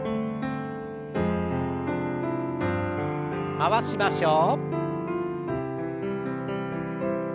回しましょう。